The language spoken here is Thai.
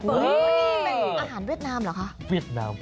อุ้ยนี่เป็นอาหารเวียดนามเหรอคะ